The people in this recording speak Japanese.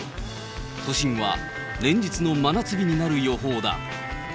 都心は、連日の真夏日になる予報だ。